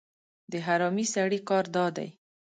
د حرامي سړي کار دا دی